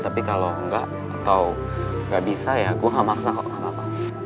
tapi kalau gak atau gak bisa ya gue gak maksa kok